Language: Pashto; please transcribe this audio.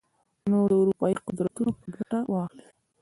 نور اروپايي قدرتونه به ګټه واخلي.